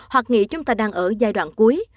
hoặc nghĩ chúng ta đang ở giai đoạn cuối